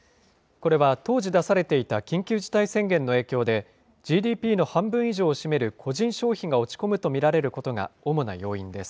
これは当時出されていた緊急事態宣言の影響で、ＧＤＰの半分以上を占める個人消費が落ち込むと見られることが主な要因です。